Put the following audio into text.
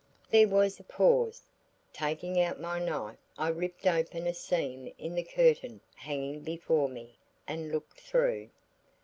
There was a pause. Taking out my knife, I ripped open a seam in the curtain hanging before me, and looked through.